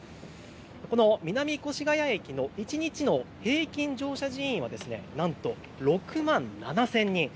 この南越谷駅の一日の平均乗車人員は６万７０００人。